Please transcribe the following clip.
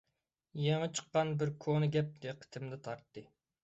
يېڭى چىققان بىر كونا گەپ دىققىتىمنى تارتتى.